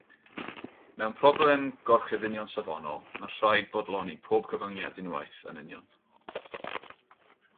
Mewn problem gorchudd union safonol, mae'n rhaid bodloni pob cyfyngiad unwaith yn union.